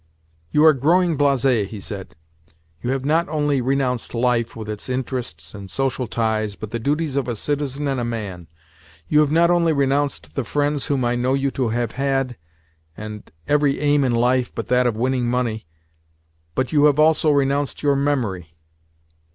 "You are growing blasé," he said. "You have not only renounced life, with its interests and social ties, but the duties of a citizen and a man; you have not only renounced the friends whom I know you to have had, and every aim in life but that of winning money; but you have also renounced your memory.